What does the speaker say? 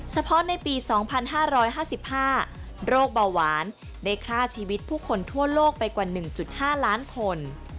เฉพาะในปี๒๕๕๕โรคเบาหวานได้ฆ่าชีวิตผู้คนทั่วโลกไปกว่า๑๕ล้านคน